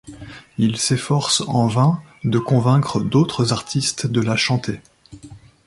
Il s'efforce en vain de convaincre d'autres artistes de la chanter.